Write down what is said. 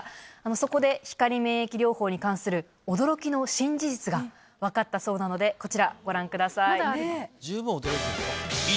そこで光免疫療法に関する。が分かったそうなのでこちらご覧ください。